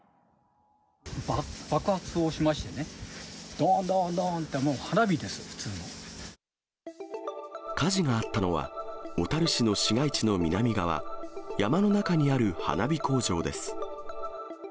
爆発をしましてね、どんどん火事があったのは、小樽市の市街地の南側、山の中にある花火工場です。